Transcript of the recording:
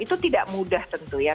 itu tidak mudah tentu ya